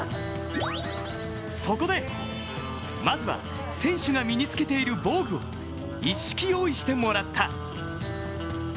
そこで、まずは選手が身に着けている防具を一式用意してもらった。